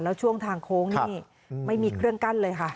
แล้วช่วงทางโค้งนี่ไม่มีเครื่องกั้นเลยค่ะ